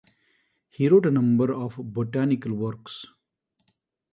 He wrote a number of botanical works.